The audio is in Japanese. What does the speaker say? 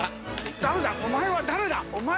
お前は誰だ？